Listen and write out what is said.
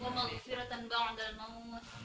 wa ma'udhfira ta'anda al maumut